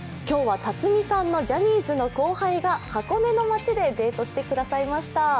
今日は辰巳さんのジャニーズの後輩が箱根の街でデートしてくださいました。